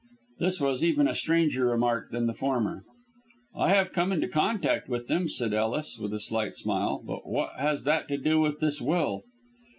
This was even a stranger remark than the former. "I have come into contact with them," said Ellis, with a slight smile, "but what has that to do with this will?"